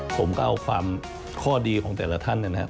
ผมก็เอาความข้อดีของแต่ละท่านนะครับ